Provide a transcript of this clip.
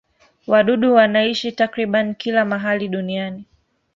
Wadudu wanaishi takriban kila mahali duniani.